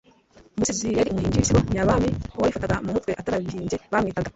Umusizi yari umuhimbyi w'ibisigo Nyabami, Uwabifataga mu mutwe atarabihimbye bamwitaga “